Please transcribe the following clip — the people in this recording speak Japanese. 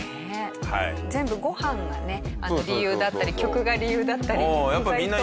全部ご飯がね理由だったり曲が理由だったり意外と。